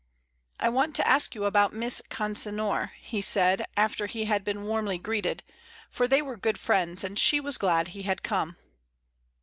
"I want to ask you about Miss Consinor," he said, after he had been warmly greeted, for they were good friends and she was glad he had come.